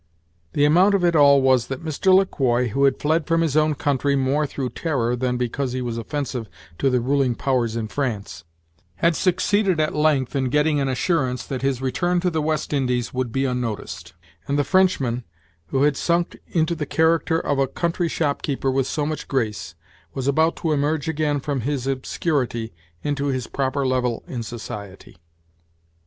The amount of it all was, that Mr. Le Quoi, who had fled from his own country more through terror than because he was offensive to the ruling powers in France, had succeeded at length in getting an assurance that his return to the West Indies would be unnoticed; and the Frenchman, who had sunk into the character of a country shopkeeper with so much grace, was about to emerge again from his obscurity into his proper level in society.